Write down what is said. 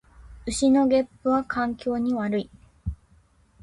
牛のげっぷは環境に悪い